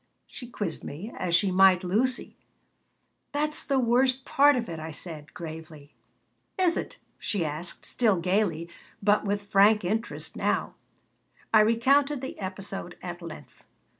she quizzed me as she might Lucy "That's the worst part of it," I said, gravely "Is it?" she asked, still gaily, but with frank interest now I recounted the episode at length.